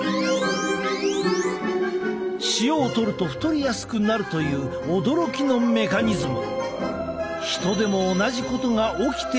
塩をとると太りやすくなるという驚きのメカニズム。